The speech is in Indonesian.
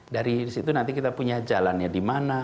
dari situ nanti kita punya jalannya di mana